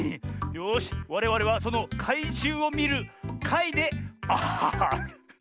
よしわれわれはそのかいじゅうをみるかいである。